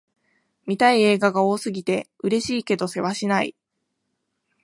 見たい映画が多すぎて、嬉しいけどせわしない